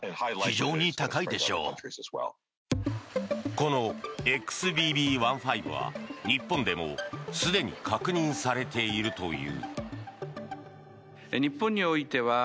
このＸＢＢ．１．５は日本でもすでに確認されているという。